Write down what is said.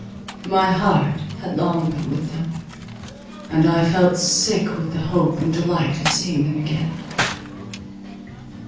My heart had long been with them; and I felt sick with the hope and delight of seeing them again.